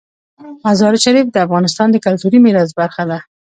مزارشریف د افغانستان د کلتوري میراث برخه ده.